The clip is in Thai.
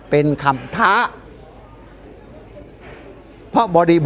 ตอนต่อไป